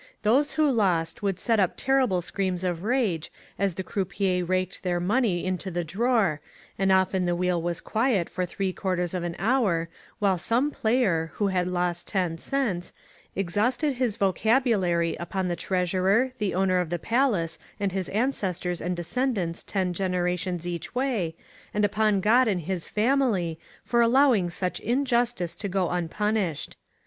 Those who lost would set up terrible screams of rage as the croupier raked their money into the drawer, and often the wheel was quiet for three quarters of an hour while some player, who had lost ten cents, exhausted his vocabulary upon the treasurer, the owner of the place and his ancestors and descendants ten generations each way, and upon God and his family, for allowing such injustice to go un punished.